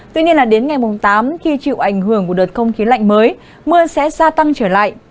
tuy nhiên là đến ngày tám khi chịu ảnh hưởng của đợt không khí lạnh mới mưa sẽ gia tăng trở lại